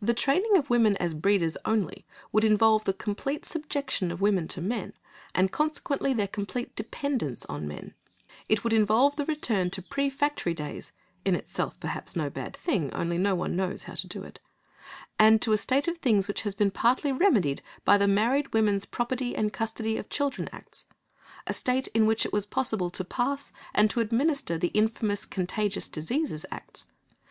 The training of women as breeders only, would involve the complete subjection of women to men, and consequently their complete dependence on men; it would involve the return to pre factory days (in itself, perhaps, no bad thing, only no one knows how to do it), and to a state of things which has been partly remedied by the Married Women's Property and Custody of Children Acts; a state in which it was possible to pass and to administer the infamous Contagious Diseases Acts.